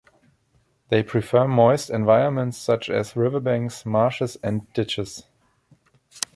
They prefer moist environments such as riverbanks, marshes and ditches.